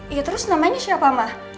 iya terus namanya siapa mah